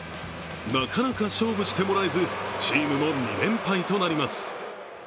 なかなか勝負してもらえずチームも２連敗となります。